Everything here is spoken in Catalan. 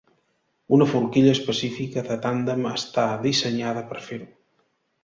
Una forquilla específica de tàndem està dissenyada per fer-ho.